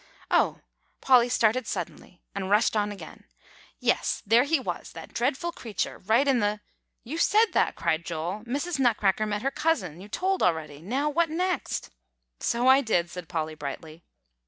"Oh!" Polly started suddenly and rushed on again. "Yes, there he was, that dreadful creature right in the" "You said that," cried Joel. "Mrs. Nutcracker met her cousin, you told already; now what next?" "So I did," said Polly brightly.